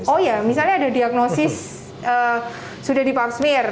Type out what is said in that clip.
oh iya misalnya ada diagnosis sudah di pap smear